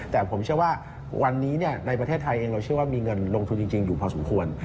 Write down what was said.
แต่ผมเชื่อว่าวันนี้ในประเทศไทยเองเราเชื่อว่ามีเงินลงทุนจริงอยู่พอสมควร